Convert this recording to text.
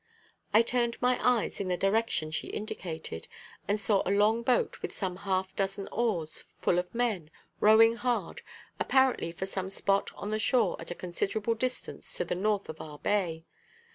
I turned my eyes in the direction she indicated, and saw a long boat with some half dozen oars, full of men, rowing hard, apparently for some spot on the shore at a considerable distance to the north of our bay.